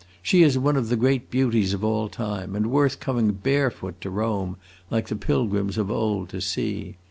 She is one of the great beauties of all time, and worth coming barefoot to Rome, like the pilgrims of old, to see.